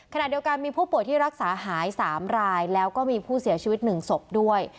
ขณะเดียวกันมีผู้ป่วยที่รักษาหาย๓รายแล้วก็มีผู้เสียชีวิต๑ศพด้วย